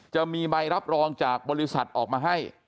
จะมีใบรับรองจากบริษัทออกมาให้